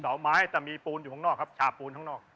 ไม้แต่มีปูนอยู่ข้างนอกครับชาปูนข้างนอก